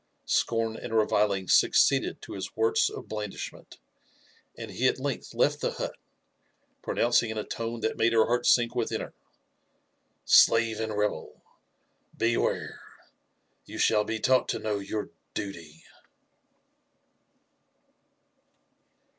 Scorn and revilings succeeded to his words of blandish ment, and he at length left the hut, pronouncing in a tone that made her heart sink within her —'* Slave and rebel !— Beware ! —You shall be taught to know your duty